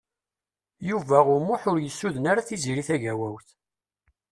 Yuba U Muḥ ur yessuden ara Tiziri Tagawawt.